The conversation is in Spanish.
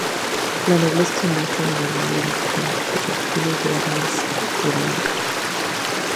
La nobleza se muestra en armadura con sus escudos de armas heráldicos.